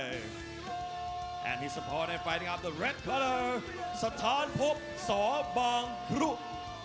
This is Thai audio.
และเขาเชื่อมฮินชัยอ๋อแสนสุก